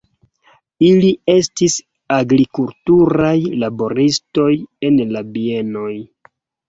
Ili estis agrikulturaj laboristoj en la bienoj.